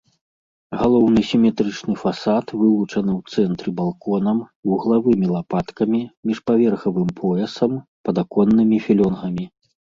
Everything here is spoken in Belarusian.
Галоўны сіметрычны фасад вылучаны ў цэнтры балконам, вуглавымі лапаткамі, міжпаверхавым поясам, падаконнымі філёнгамі.